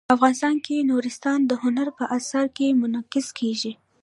افغانستان کې نورستان د هنر په اثار کې منعکس کېږي.